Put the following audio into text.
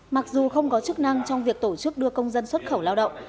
mặc dù không có chức năng trong việc tổ chức đưa công dân xuất khẩu lao động